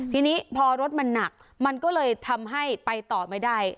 ทีนี้พอรถมันหนักมันก็เลยทำให้ไปต่อไม่ได้